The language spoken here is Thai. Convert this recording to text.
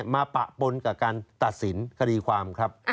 ปะปนกับการตัดสินคดีความครับ